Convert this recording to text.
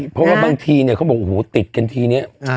โพธิบางทีเนี่ยเขาบอกติดกันทีเนี่ย